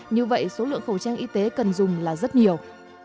như vậy số lượng khẩu trang y tế cần dùng là rất nhiều